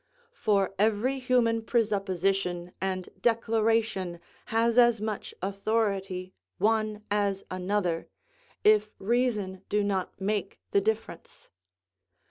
For every human presupposition and declaration has as much authority one as another, if reason do not make the difference.